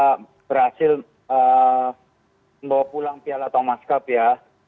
kita berhasil membawa pulang piala thomas cup ya